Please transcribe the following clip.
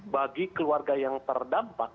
bagi keluarga yang terdampak